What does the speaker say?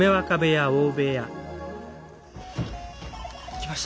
来ました。